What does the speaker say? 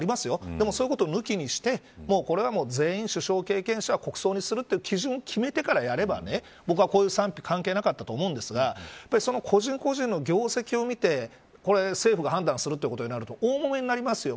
でも、そういうことは抜きにして全員、首相経験者を国葬にするというものを決めていればこういう賛否は関係なかったと思うんですが個人個人の業績を見て政府が判断することになると大揉めになりますよ。